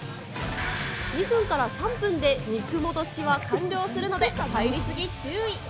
２分から３分で肉戻しは完了するので、入り過ぎ注意。